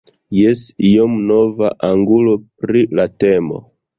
Jes, iom nova angulo pri la temo.